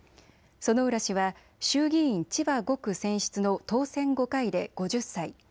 薗浦氏は衆議院千葉５区選出の当選５回で５０歳。